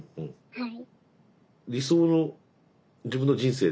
はい。